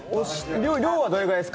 量はどれぐらいですか？